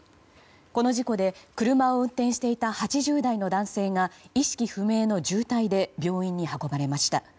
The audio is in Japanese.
この事故で車を運転していた８０代の男性が意識不明の重体で病院に運ばれました。